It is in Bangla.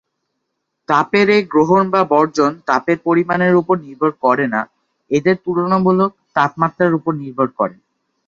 তাপের এ গ্রহণ বা বর্জন তাপের পরিমাণের উপর নির্ভর করে না, এদের তুলনামূলক তাপমাত্রার উপর নির্ভর করে।